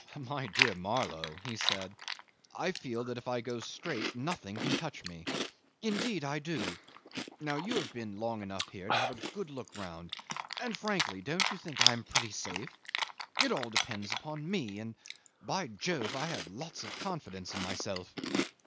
"My dear Marlow," he said, "I feel that if I go straight nothing can touch me. Indeed I do. Now you have been long enough here to have a good look round and, frankly, don't you think I am pretty safe? It all depends upon me, and, by Jove! I have lots of confidence in myself.